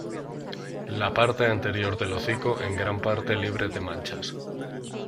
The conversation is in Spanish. La parte anterior del hocico en gran parte libre de manchas.